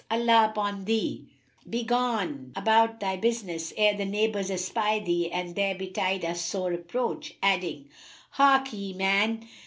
Allah upon thee, begone about thy business ere the neighbours espy thee and there betide us sore reproach," adding, "Harkye, man!